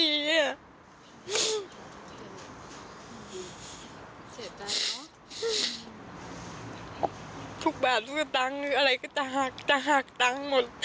เสียใจเนอะทุกบาททุกสตังค์หรืออะไรก็จะหักจะหักตังค์หมด